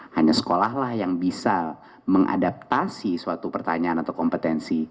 hanya sekolahlah yang bisa mengadaptasi suatu pertanyaan atau kompetensi